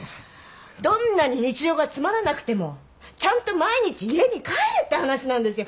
どんなに日常がつまらなくてもちゃんと毎日家に帰れって話なんですよ。